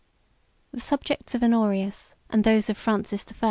The subjects of Honorius, and those of Francis I.